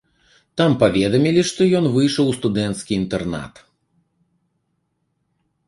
Там паведамілі, што ён выйшаў у студэнцкі інтэрнат.